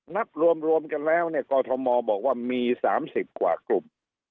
นับรวมกันแล้วเนี่ยกอทมบอกว่ามี๓๐กว่ากลุ่ม